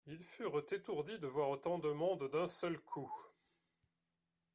Ils furent étourdis de voir autant de monde d’un seul coup.